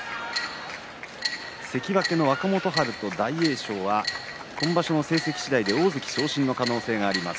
関脇の若元春と大栄翔は今場所の成績しだいでは大関昇進の可能性があります。